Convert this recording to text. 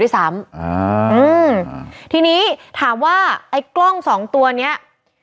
ซ้ำอ่าอืมอ่าทีนี้ถามว่าไอ้กล้องสองตัวเนี้ย